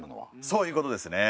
そういうことですね。